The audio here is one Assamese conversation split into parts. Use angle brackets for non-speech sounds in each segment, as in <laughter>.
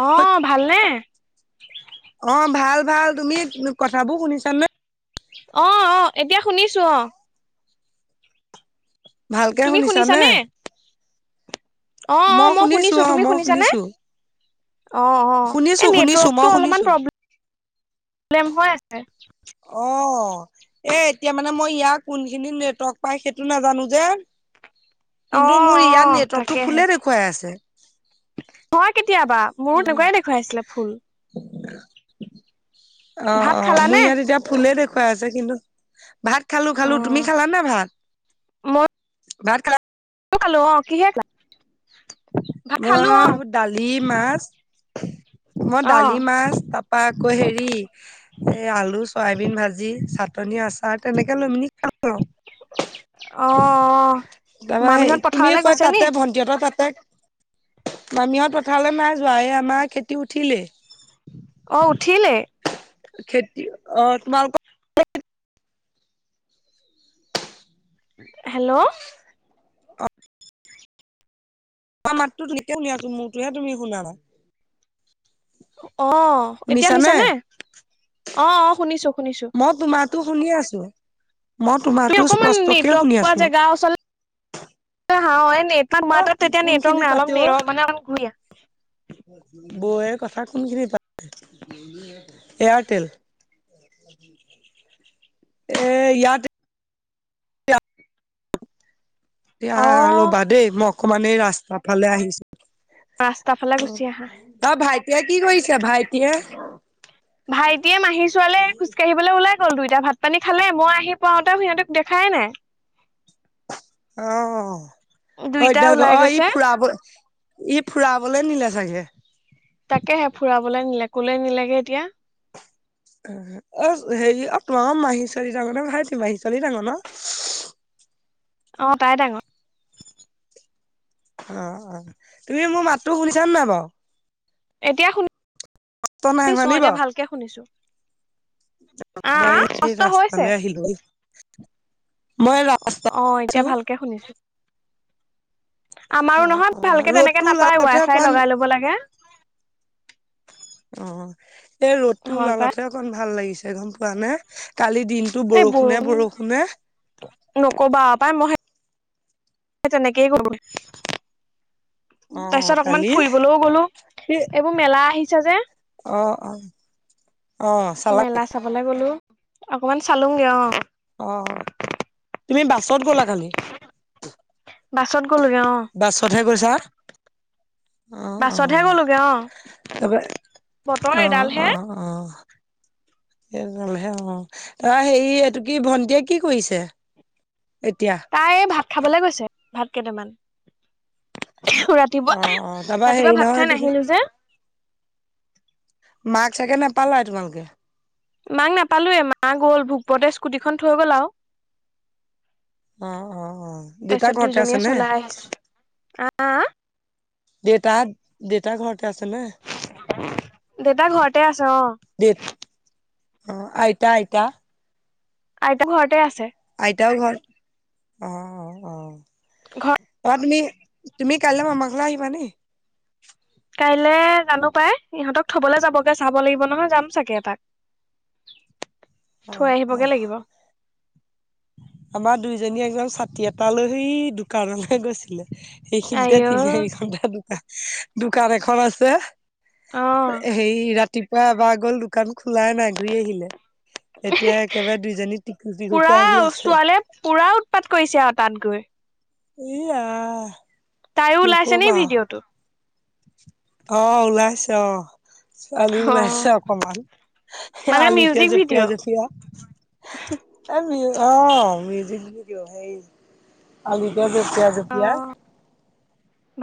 অঁ ভালনে? অ ভাল ভাল তুমি কথাবোৰ শুনিছা নে? অ অ এতিয়া শুনিছো অ। ভালকে তুমি শুনিছা নে? শুনিছানে? অ অ মই শুনিছো অ তুমি মই শুনিছানে? শুনিছো অ অ শুনিছো এই শুনিছো মই নেটৱৰ্কটো অলপমান শুনিছো প্ৰব্ লেম হৈ আছে। অ। এ এতিয়া মানে মই ইয়াৰ কোনখিনি নেটক পাই সেইটো নাজানো যে। অ' কিন্তু মোৰ ইয়াত অ' নেটৱৰ্কতটো তাকেহে ফুলে দেখুৱাই আছে। হয় কেতিয়াবা মোৰো উম তেনেকুৱাইে দেখুৱাই আছিলে ফুল। অ ভাত অ মোৰ খালানে? ইয়াত এতিয়া ফুলেই দেখুুৱাই আছে কিন্তু। ভাত খালো খালো তুমি অ' খালা নে ভাত ভাত খাল। ত খালো অ কিহে খালা। ভাত খালো মই অ' দালি, মাছ মই দালি অ' মাছ ত। পা আকৌ হেৰি এই আলু, চয়াবিন ভাজি, চাটনি আচাৰ তেনেকে লৈমেলি। <unintelligible> অ' তাৰপৰা সেই মামীহঁত তুমি পথাৰলৈ কোৱা গৈছে নি? তাতে ভন্টিহতৰ তাতে। মামিহঁত পথাৰলৈ মানে যোৱাই নাই আমাৰ খেতি উঠিলেই। অ উঠিলেই। খেতি অ তোমালোক। হেল্ল'। অ। মই মাতটো ধুনিয়াকে শুনি আছোঁ মোৰ মাতটো হে তুমি শুনা নাই। অ', এতিয়া শুনিছানে? অ', অ', শুনিছো শুনিছোঁ। মই তোমাৰতো শুনি আছোঁ। তুমি অকমান নেটৱৰ্ক শুনি পোৱা আছো জেগা ওচলে <unintelligible> আহা অ', নেটতো অ তোমাৰ তাত তেতিয়া কোনখিনি নেটৱৰ্ক পাতে অ নাই অলপ <unintelligible> বৌৱে কথা কোনখিনি পাত এয়াৰটেল, এ ইয়াত এতিয়া অ'। ৰবা দেই মই অকমান এই ৰাস্তা ফালে আহিছোঁ। ৰাস্তাফালে গুচি আহা। অ', ভাইটিয়ে কি কৰিছে ভাইটিয়ে? ভাইটিয়ে মাহিৰ ছোৱালে এ খোজ কাঢ়িবলৈ ওলাই গ'ল দুইটা ভাত পানী খালে মই আহি পোৱাওতে সিহঁতক দেখাই নাই। অ', অ', দুইটা এতিয়া আকৌ ওলাই অ', ই গৈছে ফুৰাব ই ফুৰাবোলে নিলে চাগে। তাকেহে ফুৰাবলৈ নিলে, ক'লে নিলেগে এতিয়া। অ', হেৰি অ', তোমালোকৰ মাহীৰ ছোৱালী ডাঙৰ নে ভাইটি মাহীৰ ছোৱালী ডাঙৰ ন? অ', তাই ডাঙৰ। অ', অ', তুমি মোৰ মাতটো শুনিছানে নাই বাৰু? এতিয়া শুনি তই নাই শুনা শুনিছোঁ অ', নি এতিয়া বাৰু ভালকে শুনিছোঁ। মই এই হৈছে ৰাস্তালৈ আহিলোঁ এই মই ৰাস্তাত অ' এতিয়া আছোঁ। ভালকে শুনিছো। আমাৰো নহয় অ', ভালকে তেনেকে ৰ'দটো নাপায় ওলালতে ৱাই ফাই অকণ লগাই ল'ব লাগে। অ', এই ৰ'দটো হয় পাই ওলালতহে অকন ভাল লাগিছে গম পোৱা নে কালি দিন টো এই বৰষুণে বৰষুণ বৰষুণে নকবা আৰু পায় মই সে তেনেকেই কৰো <unintelligible> তাৰ অ', পিছত অকমান কালি ফুৰিবলৈও গ'লো, কি এইবোৰ মেলা আহিছে যে। অ', অ', অ', চালা মেলা নাই? চাবলৈ গলো, অকমান চালোঙগে অ'। অ', তুমি বাছত গ'লা কালি? বাছত গ'লোগে অ'। বাছতহে গৈছা? অ', বাছতহে অ', গোলোগে অ', তাৰপৰা বতৰ অ', এডালহে। অ'। সেই কাৰণে অ', তাপা হেৰি এইটো কি ভন্টিয়ে কি কৰিছে এতিয়া? তাই এই ভাত খাবলে গৈছে ভাত কেইটামান। ৰাত তিপুৱা অ', অ', তাৰপৰা হেৰি ৰাতিপুৱা ভাত নহয় খাই এইটো কি নাহিলো যে। মাক চাগে নাপালাই তোমালোকে? মাক নাপালোয়ে মা গ'ল ভোকপুৰতে স্কুটিখন থৈ গ'ল আৰু। অ', অ', অ', দেউতা তাৰপিছত ঘৰতে আছে দুইজনীয়ে নে? চলাই আহিছেো <unintelligible> দেতা দেতা ঘৰতে আছে নে? দেতা ঘৰতে আছে অ'। দে অ', আইতা আইতা। আইতা ঘৰতে আছে। আইতাও ঘৰ অ', অ', অ'। <inaudible> ঘ ধৰা তুমি তুমি কাইলৈ পা আমাৰ ঘৰলে আহিবা দেই। কাইলে জানো পায়, ইহঁতক থবলে যাবগে চাব লাগিব নহয় যাম চাগে এপাক। থৈ অ', অ'। আহিবগে লাগিব। আমাৰ দুইজনীয়ে একদম ছাতি এটা লৈ সেই দোকানলে গৈছিলে। আই এইখিনিতে অ তিনি আৰি খনতে দোকান দোকান এখন আছে। অ হেই ৰাতিপুৱা এবাৰ গল দোকান খোলাই নাই ঘূৰি আহিলে। এতিয়া একেবাৰে দুইজনী টিকু টিকুকে আহি আছে। পোৰা ওত উতপাত কৰিছে আও তাত গৈ। ই আ তাইও ওলাইছে নেকি ভিডিঅ'টোত? অ ওলাইছে অ ছোৱালী ওলাইছে অকমান। হে মানে আলিতে মিউজিক জপিয়াই ভিডিঅ' জপিয়াই। এই মিউ অ মিউজিক ভিডিঅ সেই আলিতে জপিয়া জপিয়াই।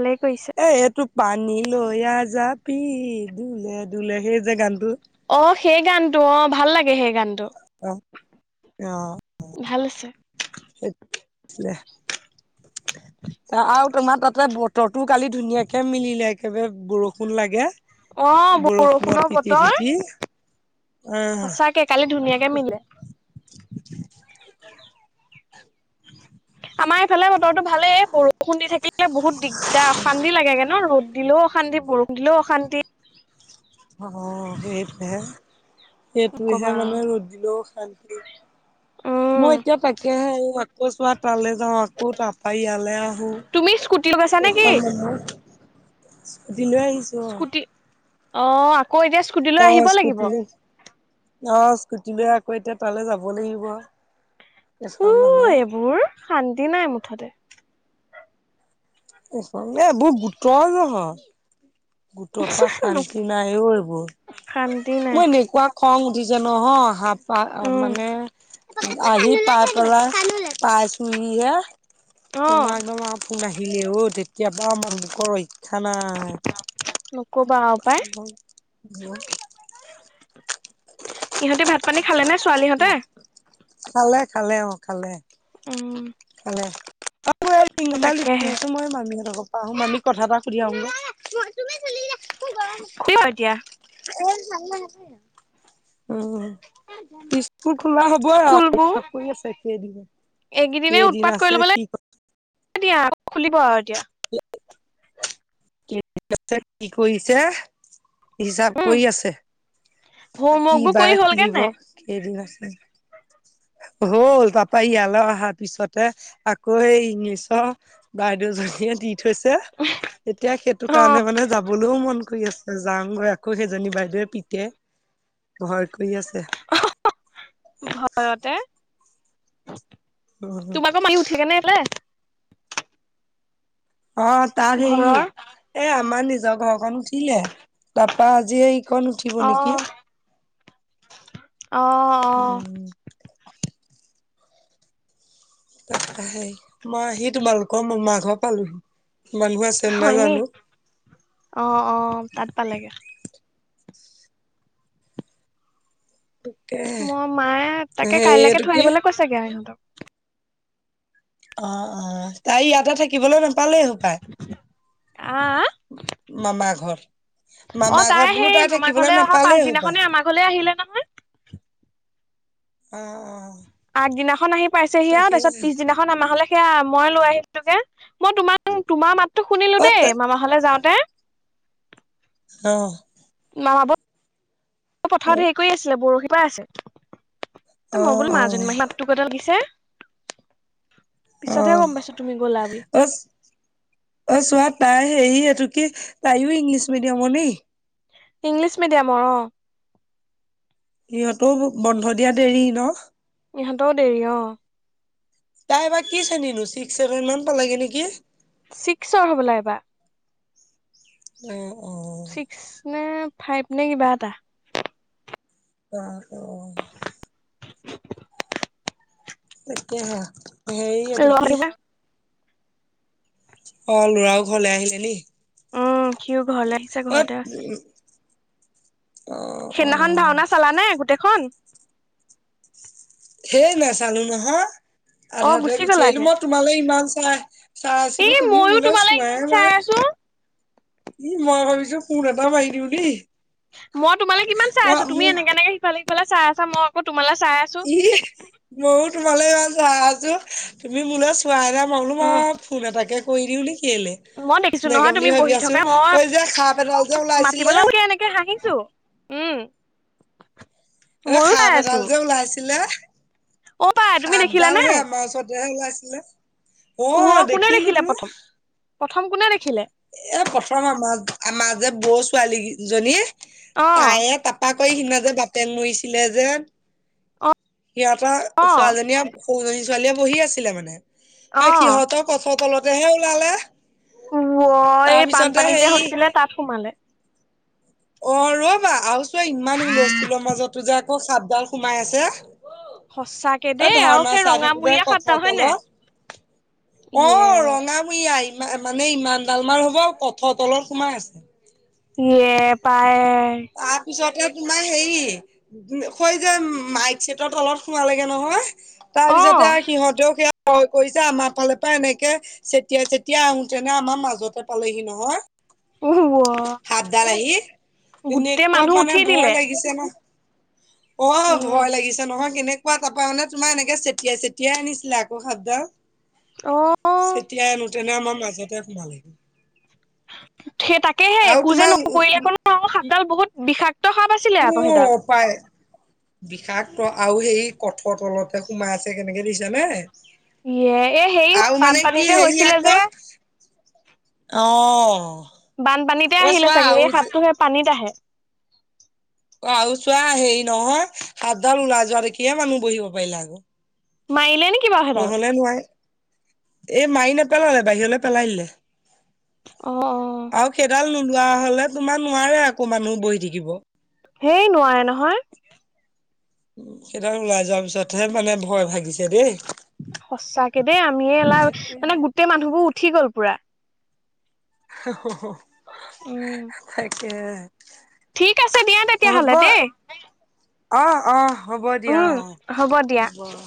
ভালে কৰিছে। এ এইটো পানী লৈয়া জাপি দোলে দোলে সেই যে গানটো। অ সেই গানটো অঁ ভাল লাগে সেই গানটো। অহ। ভাল আছে। <inaudible> আৰু তোমাৰ তাতে বত তটো কালি ধুনীয়াকে মিলিলে একেবাৰে বৰষুণ লাগে। অঁ বৰষুণত বৰষুণৰ তিতি বতৰ। তিতি আহ সঁচাকে কালি ধুনীয়াকে মিলিলে। <inaudible> আমাৰ ইফালে বতৰো ভালেই, বৰষুণ দি থাকিলে বহুত দিগদাৰ অশান্তি লাগেগে ন ৰ'দ দিলেও অশান্তি বৰষুণ দিলেও অশান্তি। অ সেইটোহে সেইটোহে নকবা আৰু। মানে ৰ'দ দিলেও অশান্তি মই উম এতিয়া তাকেহে উম আকৌ চোৱা তালে যাওঁ আকৌ তাপা ইয়ালে আ তুমি ইস্কুটি লগাইছা নেকি? <unintelligible> স্কুটি লৈ আহি ইস্কুটি, অ আকৌ এতিয়া ইস্কুটি লৈ অ অ আহিব লাগিব। স্কুটি লৈ অ স্কুটি লৈ আকৌ এতিয়া তালে যাব লাগিব আও, <unintelligible> উ খন মানে। এইবোৰ শান্তি নাই মুঠতে। আচলতে এইবোৰ গোটৰ জহত। গোটৰ পৰা শান্তি নাই ঔ এইবোৰ, শান্তি নাই মই এনেকুৱা খং উঠিছে নহয় অহা পৰা অঁ উম মানে আহি পাই পেলাই পাইছোঁহিহে অ তোমাৰ একদম ফোন আহিলে অ' তেতিয়া পৰা আমাৰ গোটৰ ৰক্ষা নাই। নকবা আও পায়। ইহঁতি ভাত পানী খালে নে ছোৱালী হঁতে? খালে খালে অঁ খালে। উম। খালে তাকেহে <unintelligible> মই মামী হঁতৰ ঘৰ অঁ মামীক কথা এটা সুধি আহো গে। খুলিব এতিয়া এই উম' ইচ্। ইস্কুল খোলা হ'বই আৰু। পৰি আছে এইখিনি এইদিগি। এইগেইদিনেই উৎপাত কৰি ল'বলে দিয়া খুলিব আৰু এতিয়া। কি আছে, কি কৰিছে? হিচাপ উম কৰি আছে হোমৱৰ্ক কি বোৰ কৰি বায়ে হ'লগে খুলিব নাই কেইদিন আছে? হ'ল, তাপা ইয়ালে অহাৰ পিছতে আকৌ এই ইংলিছ- বাইদেউ জনীয়ে দি থৈছে এতিয়া সেইটো অ কাৰণে মানে যাব। লও মন কৰি আছে যাওঁগৈ আকৌ, সেইজনী বাইদেৱে পিতে ভয় কৰি আছে। ভয়তে উম, তোমাকো মাৰি- ঠিকেনেলে। অঁ তাক ঘৰৰ হেৰি এ আমাৰ নিজৰ ঘৰখন উঠিলে তাপা আজি এই- খণ উঠিব অ নেকি। অঁ' <inaudible> হেই মই আহি তোমালকৰ মামা ঘৰ পালো মানুহবোৰ আছেনে নাই জানো। অঁ অঁ তাত পালেগে। তাকে ময় মায়ে তাকে হেৰি কাইলেকে এইটো থৈ কি আহিবলে কৈছেগে আৰু ইিহঁতক। অঁ অঁ তাই ইয়াতে থাকিবলৈ নাপালেই হ- আঁহ' মামা ঘৰ- মামা ঘৰত বোলো সেই তাই মামা থাকিবলে ঘৰলে অহা নাপালেই হপাই। পাছদিনাখনে আমাৰ ঘৰলে আহিলে নহয় অঁ অঁ' আগদিনাখন আহি পাইছেহি আৰু তাৰ পিছত পিছনাখন- আমাঘলে সেয়া মই লৈ আহিলোগে মই তোমা তোমা মাত- তো শুনিলো অ দেই মামা ঘলে যাওঁতে। অঁ' মামা বত- অ পথাৰত হেৰি কৰি আছিলে বৰশী বাই আছে। এ অ মই বোলো অ অ মাজনী মাহী মাতো গতে লাগিছে। পিছতহে অঁ গম পাইছো তুমি গ'লা বুলি অছ- অই চোৱা তাই হেৰি এইটো কি তাইও ইংলিছ মিডিয়ামৰ নি। ইংলিছ মিডিয়ামৰ অঁ' সিহঁতৰো মোক বন্ধ দিয়া দেৰি ন। ইহঁতও দেৰি অঁ। তাই এবা কি শ্ৰেণী নো ছিক্স চেছেন মান পালাগে নেকি? ছিক্সৰ হ'বলা এইবাৰ। অঁ অঁ' ছিক্স নে ফাইভ নে কিবা এটা। <unintelligible> তাকেহে হেৰি এইটো ল'ৰা কি? কিবা। অঁ লৰাও ঘৰলে আহিলে নি। উম সিও ঘৰলে আহিছে অ', ঘৰতে আছে। উম, অ', সেইদিনাখন অ', ভাওনা- চালানে গোটেইখন। হেই নাচালো নহয়। অ আধাতে গুচি আহিলোঁ। গ'লাগে মই তোমালে ইমান চাই, চাই এ আছিলোঁ, তুমি মইয়ো মোলে তোমালে চোৱাই ইমান চাই নাই। আছো ই মই ভাবিছো ফোন এটা মাৰি দিওঁ দেই। মই তোমালে কিমান চাই মই আছোঁ, তুমি মোক এনেকে কেনেকে সিফালে সিফাল চাই আছা মই আক ' তোমালে চাই আছোঁ। হিহ্, মও তোমালে ইমান চাই আছোঁ। তুমি মোলে চো ৱাই নাই। মই বোলো উম তোমাক ফোন এটাকে কৰি দিওঁ নেকি বুলি। মই দেখিছো এনেকে নহয় তুমি ভাবি বহি আছো থকা। মই এই যে সাপ এডাল যে ওলাইছিলে মাতিবলেকে এনেকে হাহিছোঁ। উম। এহ্ মইয়ো চাই সাপ আছো এডাল যে ওলাইছিলে অ পাই তুমি দেখিলা সাপডাল নে হে আমাৰ ওচৰতেহে ওলাইছিলে। অ ওৱ, কোনে দেখিলো দেখিলে তো প্ৰথম, প্ৰথম কোনে দেখিলে? এ প্ৰথম আমাৰ আমাৰ যে বৌ ছোৱালী গি জনী অ তাই তাপ্ পা আকৌ সিদিনাৰ যে বাপেক মৰিছিলে যে অ সিহঁতৰ অ ছোৱালীজনীয়ে সৰুজনী ছোৱালীয়ে বহি আছিলে মানে অ সেই সিহঁতৰ গছৰ তলতেহে ওলালে। ওৱ তাৰ এই পিছতে বানপানী যে হেৰি হৈছিলে তাত সোমালে। অঁ, ৰ'বা! আও চোৱা, ইমান হুলস্থুলৰ মাজটো যে আকৌ সাপডাল সোমাই আছে। ক'ত? সঁচাকে এ দেই আৰু ভাওনা সেই চাই থাকোতে ৰঙামূৰীয়া সাপডাল কঠৰ হয় নাই তলত। ইয়ে অঁ, ৰঙা মুঞা ইমা মানে ইমান ডালমাৰ হ'ব কঠৰ তলত সোমাই আছে। ইয়ে পায়। তাৰপিছতে তোমাৰ হেৰি হৈ যে মাইক চেটৰ তলত সোমালেগে নহয়, অ তাৰপিছতে আও সিহঁতেও সেয়া ভয় কৰিছে। আমাৰ ফালৰপৰা এনেকে চেতিয়াই, চেতিয়াই আহোতেনে আমাৰ মাজতে পালেহি নহয় ৱ সাপডাল আহি। গোটেই এনেকুৱা মানুহ মানে উঠি ভয় দিলে। লাগিছে ন' অঁ, উম। ভয় লাগিছে নহয় কেনে ৱোৱা তাৰপৰা মানে, তোমাৰ এনেকে চেটিয়াই চেটিয়াই আনিছিলে আক' সাপডাল। অঁ। চেতিয়াই আনোতেনে আমাৰ মাজতে সোমাল। সেই তাকেহে আৰু একো যে নকৰিলে তোমাৰ আক' ন' সাপডাল বহুত বিষাক্ত সাপ আছ উৱ। পাই। বিষাক্ত আৰু সেই কঠৰ তলতে সোমাই আছে কেনেকে দেখিছেনে? ইয়ে এই হেৰি হ'ল বানপানী কি যে হৈছিলে যে অঁ। বানপানীতে আহিলে চাগে? এই সাপটো হে পানীত আহে। অঁ আৰু চোৱা, হেৰি নহয় সাপডাল ওলাই যোৱা দেখিহে মানুহ বহিব পাৰিলে আক'। মাৰিলে নেকি বাও সেইডাল? লে নোৱাৰে। এই মাৰি নেপেলালে বাহিৰলে পেলাই দিলে। অঁ, অঁ। আৰু সেইডাল নোলোৱা হ'লে তোমাৰ নোৱাৰে আক' মানুহ বহি থাকিব। সেই নোৱাৰে নহয়। ওঁ, সেইডাল ওলাই যোৱাৰ পিছতহে মানে ভয় ভাগিছে দেই। সঁচাকে দেই। আমিয়ে লা তাকে মানে, গোটেই মানুহবোৰ উঠি গ'ল পুৰা। হোঁহ্, হোঁহ্ উম, হোঁহ্, তাকেহে। ঠিক আছে দিয়া তেতিয়া হ'লে দেই। অঁ, অঁ হ'ব দিয়া উম, অঁ, দিয়া। হ'ব অঁ।